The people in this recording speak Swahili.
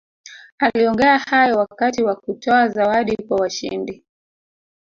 aliongea hayo wakati wa kutoa zawadi kwa washindi